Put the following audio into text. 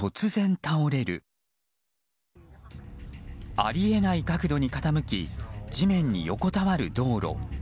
あり得ない角度に傾き地面に横たわる道路。